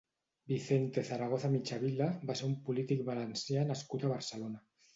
Vicente Zaragoza Michavila va ser un polític valencià nascut a Barcelona.